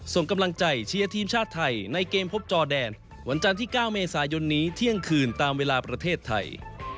ส่งกำลังใจเชียร์ทีมชาติไทยในเกมพบจอแดนวันจันทร์ที่๙เมษายนนี้เที่ยงคืนตามเวลาประเทศไทย